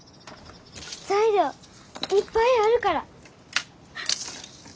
材料いっぱいあるから。